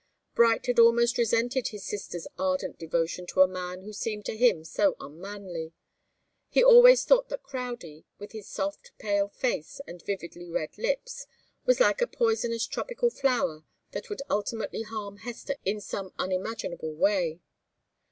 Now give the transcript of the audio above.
Bright had almost resented his sister's ardent devotion to a man who seemed to him so unmanly. He always thought that Crowdie, with his soft, pale face and vividly red lips, was like a poisonous tropical flower that would ultimately harm Hester in some unimaginable way.